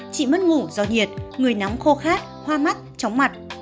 chỉ mất ngủ do nhiệt người nắm khô khát hoa mắt chóng mặt